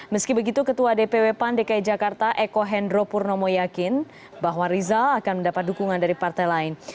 meski begitu ketua dpw pan dki jakarta eko hendro purnomo yakin bahwa rizal akan mendapat dukungan dari partai lain